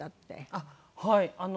あっはい。